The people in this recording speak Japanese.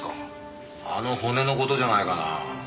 あの骨の事じゃないかな。